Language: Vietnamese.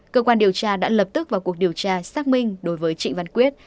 cơ quan điều tra đã lập tức vào cuộc điều tra xác minh đối với trịnh văn quyết